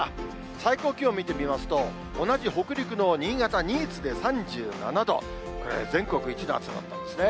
最高気温見てみますと、同じ北陸の新潟・新津で３７度、これ、全国一の暑さだったんですね。